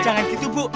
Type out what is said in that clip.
jangan gitu bu